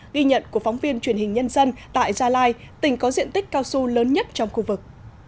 ghi nhận của phóng viên truyền hình nhân dân tại gia lai tỉnh có diện tích cao su lớn nhất trong khu vực